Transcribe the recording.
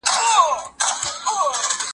پرېږده یې!